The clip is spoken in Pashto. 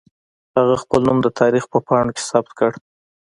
هغې خپل نوم د تاریخ په پاڼو کې ثبت کړ